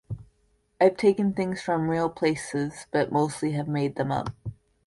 I've taken things from real places, but mostly have made them up.